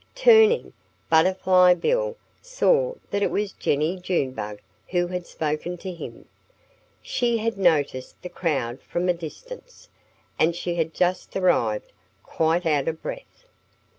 Turning, Butterfly Bill saw that it was Jennie Junebug who had spoken to him. She had noticed the crowd from a distance. And she had just arrived, quite out of breath.